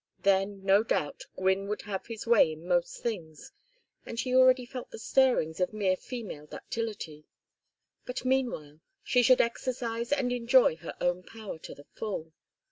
Then, no doubt, Gwynne would have his way in most things, and she already felt the stirrings of mere female ductility. But meanwhile she should exercise and enjoy her own power to the full.